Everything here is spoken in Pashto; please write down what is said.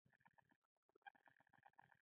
زمري: څنګه چې ستا خوښه وي، که نه ځې، مه ځه.